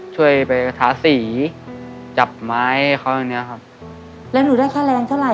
ช่วยไปทาสีจับไม้เขาอย่างเงี้ยครับแล้วหนูได้ค่าแรงเท่าไห